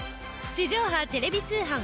地上派テレビ通販